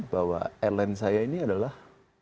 bahwa airline saya ini adalah